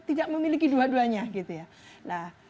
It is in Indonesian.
tidak memiliki dua duanya